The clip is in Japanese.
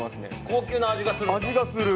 高級な味がする？